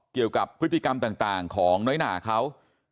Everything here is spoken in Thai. เกี่ยวกับพฤติกรรมต่างของน้อยหนาเขา